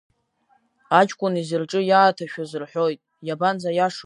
Аҷкәын изы рҿы иааҭашәаз рҳәоит, иабанӡаиашоу?